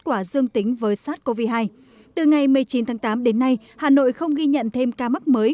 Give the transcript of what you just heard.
quả dương tính với sars cov hai từ ngày một mươi chín tháng tám đến nay hà nội không ghi nhận thêm ca mắc mới